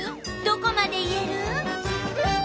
どこまでいえる？